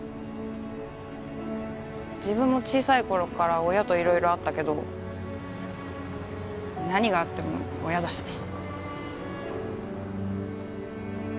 自分も小さい頃から親といろいろあったけど何があっても親だしね。